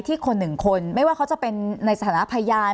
คนหนึ่งคนไม่ว่าเขาจะเป็นในสถานะพยาน